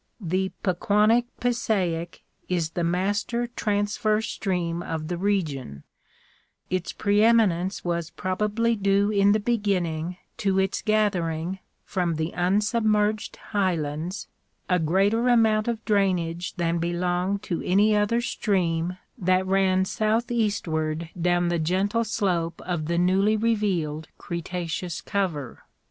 The Pequannock Passaic is the master transverse stream of the region: its preéminence was probably due in the beginning to its gathering, from the un submerged Highlands, a greater amount of drainage than be longed to any other stream that ran southeastward down the gen 98 National Geographic Magazine. tle slope of the newly revealed Cretaceous cover.